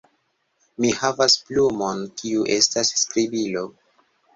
Mi havas plumon kiu estas skribilo